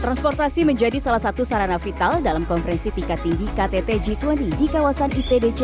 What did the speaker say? transportasi menjadi salah satu sarana vital dalam konferensi tingkat tinggi ktt g dua puluh di kawasan itdc